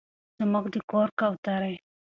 زموږ د کور کوترې